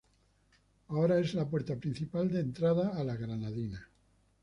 Ahora es la puerta principal de entrada a las Granadinas.